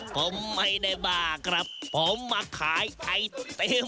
ผมไม่ได้บ้าครับผมมาขายไอติม